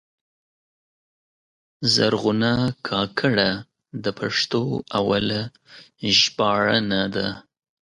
زرغونه کاکړه د پښتو اوله ژباړنه ده.